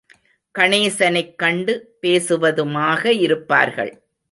கணேசனைக் கண்டு பேசுவதுமாக இருப்பார்கள்.